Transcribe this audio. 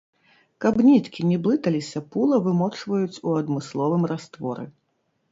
Каб ніткі не блыталіся пула вымочваюць у адмысловым растворы.